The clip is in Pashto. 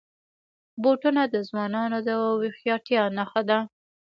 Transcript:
بوټونه د ځوانانو د هوښیارتیا نښه ده.